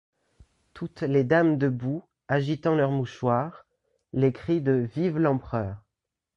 Toutes les dames debout, agitant leurs mouchoirs ; les cris de : «Vive l'empereur !